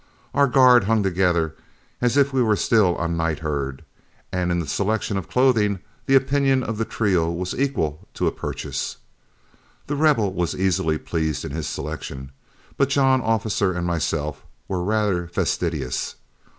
Our guard hung together as if we were still on night herd, and in the selection of clothing the opinion of the trio was equal to a purchase. The Rebel was very easily pleased in his selection, but John Officer and myself were rather fastidious.